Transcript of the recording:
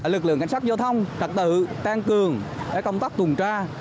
lực lượng cảnh sát giao thông trật tự tăng cường công tác tuần tra